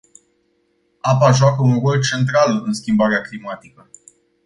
Apa joacă un rol central în schimbarea climatică.